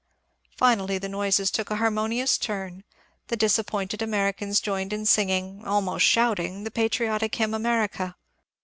Finally the noises took a harmonious turn ; the disappointed Americans jomed in singing — almost shouting the patriotic hymn " America."